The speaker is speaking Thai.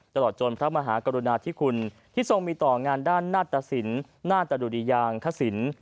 ตลอดจนพระมหากรุณาธิคุณที่ทรงมีต่องานด้านหน้าตสินนาตดุริยางคสิน